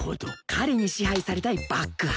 彼に支配されたいバック派。